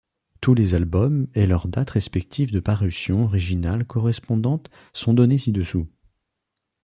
Tous les albums et leur date respective de parution originale correspondante sont donnés ci-dessous.